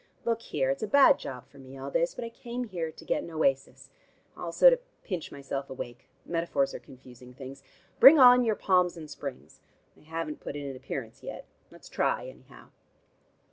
Look here, it's a bad job for me all this, but I came here to get an oasis: also to pinch myself awake: metaphors are confusing things. Bring on your palms and springs. They haven't put in an appearance yet. Let's try anyhow."